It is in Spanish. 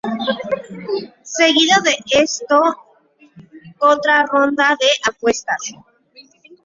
Seguido de esto otra ronda de apuestas.